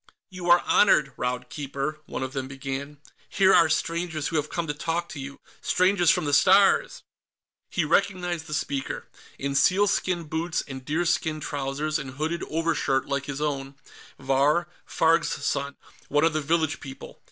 "You are honored, Raud Keeper," one of them began. "Here are strangers who have come to talk to you. Strangers from the Stars!" He recognized the speaker, in sealskin boots and deerskin trousers and hooded overshirt like his own Vahr Farg's son, one of the village people.